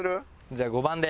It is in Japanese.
じゃあ５番で。